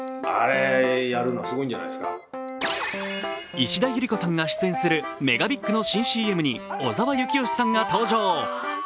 石田ゆり子さんが出演するＭＥＧＡＢＩＧの新ＣＭに小澤征悦さんが登場。